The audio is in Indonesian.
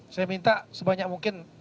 saya minta sebanyak mungkin